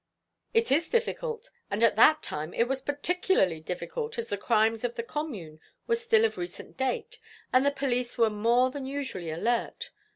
"It is difficult; and at that time it was particularly difficult, as the crimes of the Commune were still of recent date, and the police were more than usually alert.